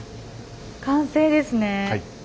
完成ですね。